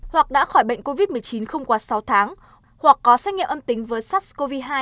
hoặc đã khỏi bệnh covid một mươi chín không quá sáu tháng hoặc có xét nghiệm âm tính với sars cov hai